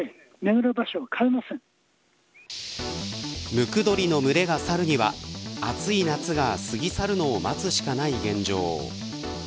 ムクドリの群れが去るには暑い夏が過ぎ去るのを待つしかない現状。